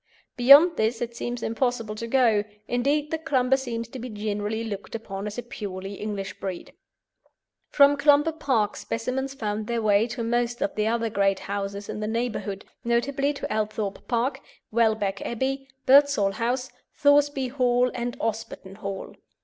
Beyond this it seems impossible to go: indeed, the Clumber seems to be generally looked upon as a purely English breed. From Clumber Park specimens found their way to most of the other great houses in the neighbourhood, notably to Althorp Park, Welbeck Abbey, Birdsall House, Thoresby Hall, and Osberton Hall.